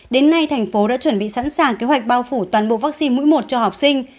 đến nay thành phố đã chuẩn bị sẵn sàng kế hoạch bao phủ toàn bộ vaccine mũi một cho học sinh